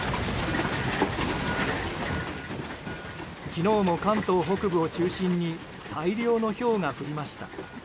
昨日も関東北部を中心に大量のひょうが降りました。